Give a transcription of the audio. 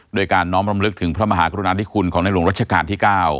ด้วยการน้อมรำลึกถึงพระมหากรุณาธิคุณของในหลวงรัชกาลที่๙